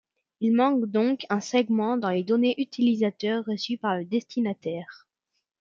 Il manque donc un segment dans les données utilisateur reçues par le destinataire.